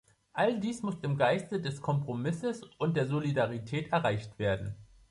All dies muss im Geiste des Kompromisses und der Solidarität erreicht werden.